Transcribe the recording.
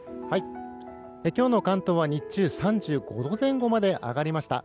今日の関東は日中３５度前後まで上がりました。